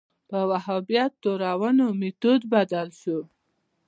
په وهابیت تورنول میتود بدل شو